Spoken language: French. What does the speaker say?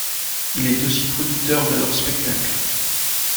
Il est aussi producteur de leurs spectacles.